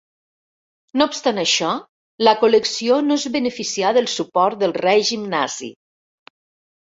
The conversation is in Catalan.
No obstant això, la col·lecció no es beneficià del suport del règim nazi.